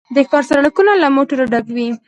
د ښار سړکونه له موټرو ډک وي